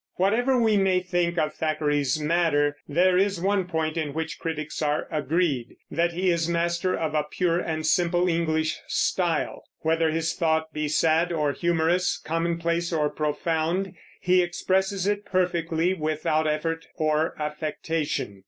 Whatever we may think of Thackeray's matter, there is one point in which critics are agreed, that he is master of a pure and simple English style. Whether his thought be sad or humorous, commonplace or profound, he expresses it perfectly, without effort or affectation.